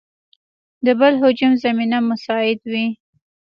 د بل هجوم زمینه مساعد وي.